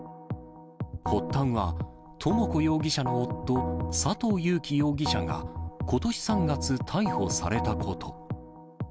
発端は、智子容疑者の夫、佐藤友紀容疑者が、ことし３月逮捕されたこと。